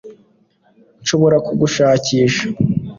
Nshobora kugushakisha